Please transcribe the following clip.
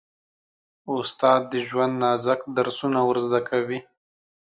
استاد د ژوند نازک درسونه ور زده کوي.